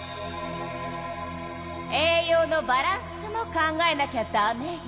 栄養のバランスも考えなきゃダメよ。